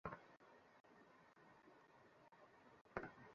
এইখানে বড়ো কঠিন আমার পরীক্ষা।